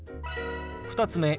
２つ目。